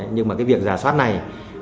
nhưng mà cái việc giả soát này